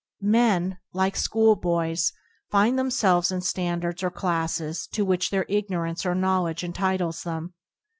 Men, like schoolboys, find themselves in standards or classes to which their igno rance or knowledge entitles them.